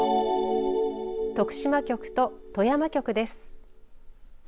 徳島局と富山局です。